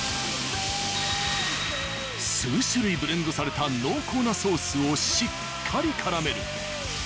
数種類ブレンドされた濃厚なソースをしっかりからめる。